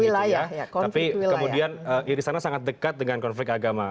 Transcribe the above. tapi kemudian irisannya sangat dekat dengan konflik agama